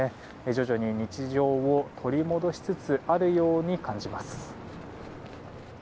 徐々に日常を取り戻しつつあるように感じます。